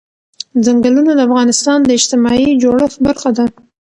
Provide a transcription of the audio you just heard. ځنګلونه د افغانستان د اجتماعي جوړښت برخه ده.